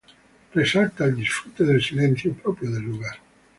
Resalta el disfrute del silencio propio del lugar.